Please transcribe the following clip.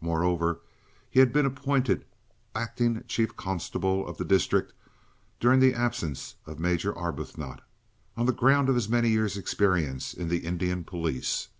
Moreover, he had been appointed acting Chief Constable of the district during the absence of Major Arbuthnot, on the ground of his many years' experience in the Indian Police.